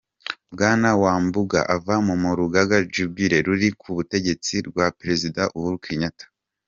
Bwana Wambugu ava mu rugaga Jubilee ruri ku butegetsi rwa Perezida Uhuru Kenyatta.